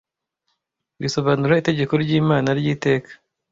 bisobanura itegeko ry'Imana ry’iteka